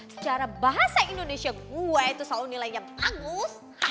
secara bahasa indonesia gua itu selalu nilainya bagus